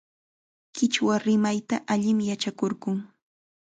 Qichwa rimayta allim yachakurqun.